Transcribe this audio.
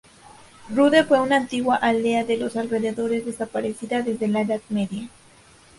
Rude fue una antigua aldea de los alrededores desaparecida desde la Edad Media.